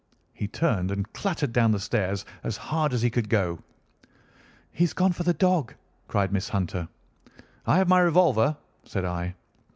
He turned and clattered down the stairs as hard as he could go. "He's gone for the dog!" cried Miss Hunter. "I have my revolver," said I.